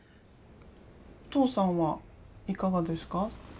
父さんはいかがですか？